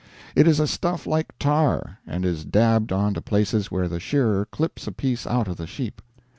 It is a stuff like tar, and is dabbed on to places where the shearer clips a piece out of the sheep.